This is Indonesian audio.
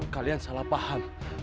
kalian salah paham